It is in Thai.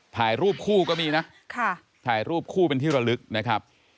ถ่ายรูปคู่ก็มีนะถ่ายรูปคู่เป็นที่ระลึกนะครับ